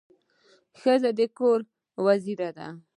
ښځه د کور وزیره ده.